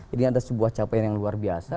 jadi ada sebuah capaian yang luar biasa